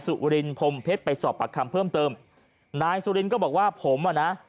สุรินพรมเพชรไปสอบปากคำเพิ่มเติมนายสุรินก็บอกว่าผมอ่ะนะ